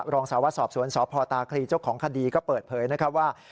รองสาวสอบสวนสพตาคลีเจ้าของคดีก็เปิดเผยนะครับว่า